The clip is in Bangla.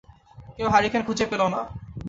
কেউ হারিকেন খুঁজে পেল না।